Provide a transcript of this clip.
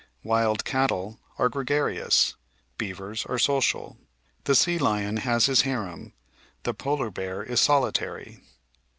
Wild cattle are gregarious, beavers are social, the sea lion has his harem, the polar bear is solitary.